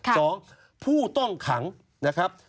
สองผู้ต้องขังนะครับ